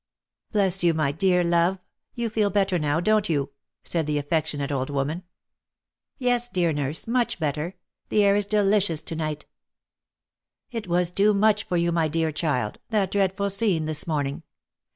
" Bless you, my dear love ! you feel better now, don't you V said the affectionate old woman. OF MICHAEL ARMSTRONG. 1 51 '« Yes, dear nurse — much better. The air is delicious to night/* " It was too much for you, my dear child, that dreadful scene this morning